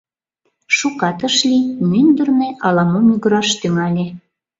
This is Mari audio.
Шукат ыш лий, мӱндырнӧ ала-мо мӱгыраш тӱҥале.